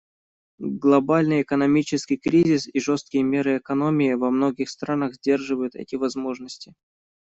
Глобальный экономический кризис и жесткие меры экономии во многих странах сдерживают эти возможности.